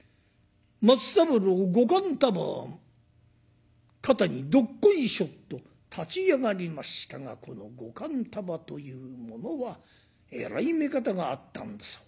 松三郎５貫束を肩にどっこいしょと立ち上がりましたがこの５貫束というものはえらい目方があったんだそうで。